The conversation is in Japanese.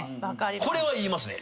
これは言いますね。